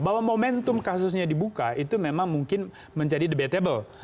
bahwa momentum kasusnya dibuka itu memang mungkin menjadi debatable